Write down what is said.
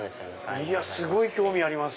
いやすごい興味あります。